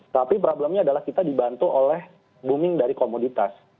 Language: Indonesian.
tapi problemnya adalah kita dibantu oleh booming dari komoditas